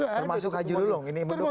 termasuk haji lulung ini mendukung